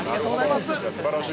◆すばらしい！